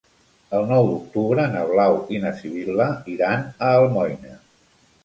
El nou d'octubre na Blau i na Sibil·la iran a Almoines.